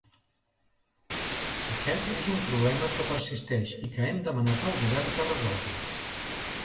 Aquest és un problema que persisteix i que hem demanat al govern que resolgui.